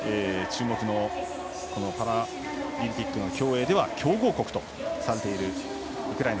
パラリンピック競泳では強豪国とされているウクライナ。